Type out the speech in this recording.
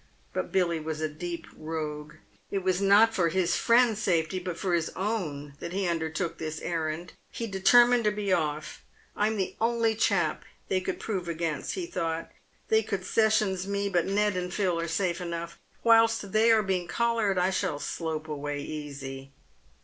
But Billy was a deep rogue. It was not for his friends' safety, but for his own, that he undertook this errand. He determined to be off. " I am the only chap they could prove against," he thought. " They could sessions me, but Ned and Phil are safe enough. "Whilst they are being collared I shall slope away easy."